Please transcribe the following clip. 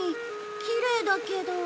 きれいだけど。